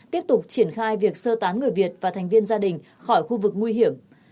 tiếp tục triển khai việc sơ tán người việt và thành viên gia đình khỏi khu vực nguy hiểm